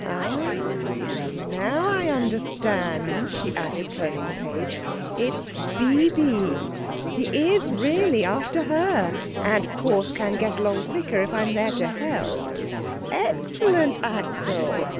Ah, now I understand," she added, turning the page, "it is Bibi he is really after her, and of course can get along quicker if I am there to help. Excellent Axel!